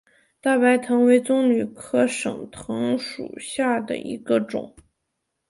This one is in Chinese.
大白藤为棕榈科省藤属下的一个种。